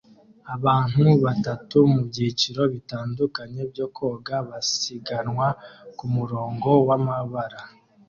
Abantu batatu mubyiciro bitandukanye byo koga basiganwa kumurongo wamabara